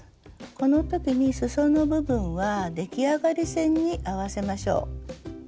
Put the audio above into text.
この時にすその部分は出来上がり線に合わせましょう。